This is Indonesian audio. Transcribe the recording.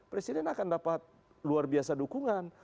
presiden akan dapat luar biasa dukungan